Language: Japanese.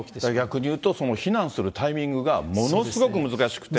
逆にいうと、避難するタイミングがものすごく難しくて。